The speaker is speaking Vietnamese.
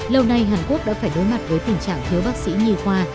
lâu nay hàn quốc đã phải đối mặt với tình trạng thiếu bác sĩ nhi khoa